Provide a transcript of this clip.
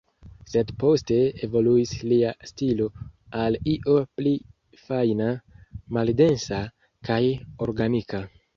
Sed poste, evoluis lia stilo, al io pli fajna, maldensa, kaj organika.